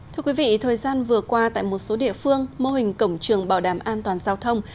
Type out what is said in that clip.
thưa quý vị thời gian vừa qua tại một số địa phương mô hình cổng trường bảo đảm an toàn giao thông